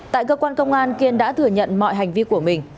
tại cơ quan công an kiên đã thừa nhận mọi hành vi của mình